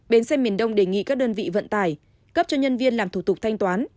bến xe miền đông đề nghị các đơn vị vận tải cấp cho nhân viên làm thủ tục thanh toán